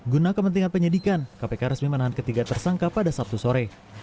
guna kepentingan penyidikan kpk resmi menahan ketiga tersangka pada sabtu sore